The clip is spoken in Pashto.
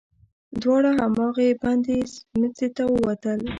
دواړه هماغې بندې سمڅې ته ووتل.